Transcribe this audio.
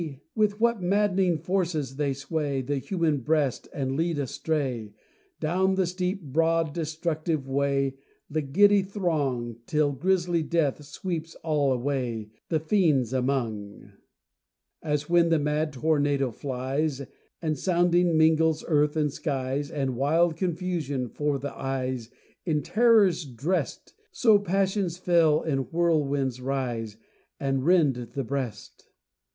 with what madd'ning force they sway The human breast and lead astray, Down the steep, broad, destructive way, The giddy throng; Till grisly death sweeps all away The fiends among! As when the mad tornado flies, And sounding mingles earth and skies, And wild confusion 'fore the eyes In terrors dressed. So passions fell in whirlwinds rise, And rend the breast!